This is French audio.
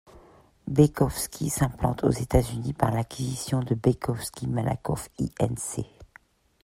Baikowski s'implante aux États-Unis par l'acquisition de Baikowski Malakoff Inc.